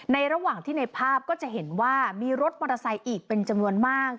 ระหว่างที่ในภาพก็จะเห็นว่ามีรถมอเตอร์ไซค์อีกเป็นจำนวนมาก